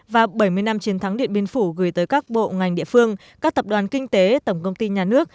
và bảy mươi năm chiến thắng điện biên phủ gửi tới các bộ ngành địa phương các tập đoàn kinh tế tổng công ty nhà nước